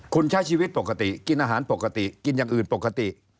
คุณใช้ชีวิตปกติกินอาหารปกติกินอย่างอื่นปกติ